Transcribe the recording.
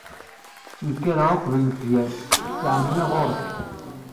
Ttnekkareɣ uqbel lefjer, ttɛenniɣ ɣur-k.